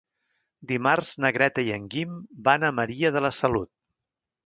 Dimarts na Greta i en Guim van a Maria de la Salut.